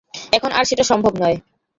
এখন আর সেটা সম্ভব নয়।